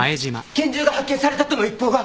拳銃が発見されたとの一報が。